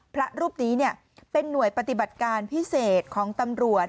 พระรูปนี้เป็นหน่วยปฏิบัติการพิเศษของตำรวจ